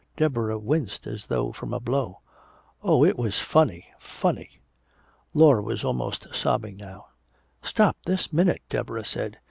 Deborah winced as though from a blow. "Oh, it was funny, funny!" Laura was almost sobbing now. "Stop, this minute!" Deborah said.